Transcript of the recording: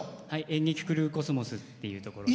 演劇クルーコスモスというところで。